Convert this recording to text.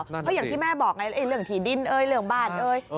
เพราะอย่างที่แม่บอกไงเรื่องถี่ดินเอ้ยเรื่องบ้านเอ้ย